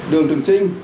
đường thường sinh